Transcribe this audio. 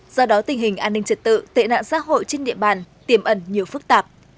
do đó tình hình an ninh trật tự tệ nạn xã hội trên địa bàn tiềm ẩn nhiều phức tạp